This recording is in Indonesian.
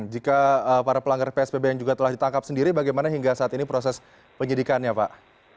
jika para pelanggar psbb yang juga telah ditangkap sendiri bagaimana hingga saat ini proses penyidikannya pak